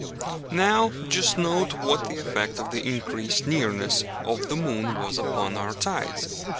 Now just note what the effect of the increased nearness of the moon was upon our tides.